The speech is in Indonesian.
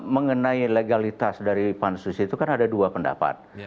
mengenai legalitas dari pansus itu kan ada dua pendapat